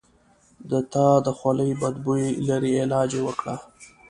د تا د خولې بد بوي لري علاج یی وکړه